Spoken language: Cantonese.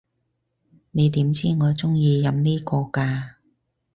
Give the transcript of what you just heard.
你點知我中意飲呢個㗎？